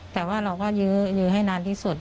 แต่ว่าเราก็ยื้อให้นานที่สุด